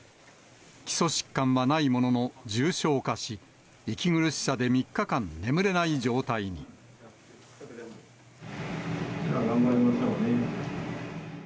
基礎疾患はないものの重症化し、息苦しさで３日間、眠れない状態じゃあ、頑張りましょうね。